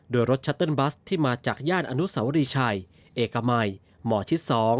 โดยรถชัตเติ้ลบัสที่มาจากย่านอนุสวรีชัยเอกมัยหมอชิด๒